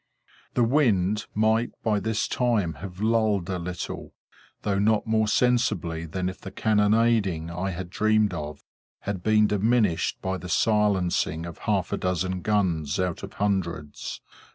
The wind might by this time have lulled a little, though not more sensibly than if the cannonading I had dreamed of, had been diminished by the silencing of half a dozen guns out of hundreds.